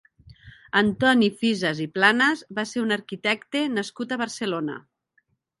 Antoni Fisas i Planas va ser un arquitecte nascut a Barcelona.